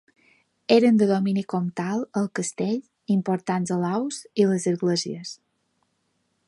Eren de domini comtal el castell, importants alous i les esglésies.